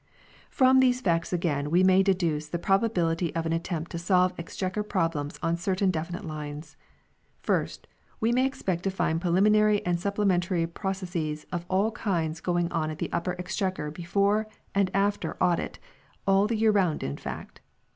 From these facts again we may deduce the pro bability of an attempt to solve Exchequer problems on certain definite lines. First, we may expect to find preliminary and supplementary processes of all kinds going on at the Upper Exchequer before and after Audit, all the year round in fact.